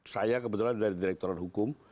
saya kebetulan dari direkturat hukum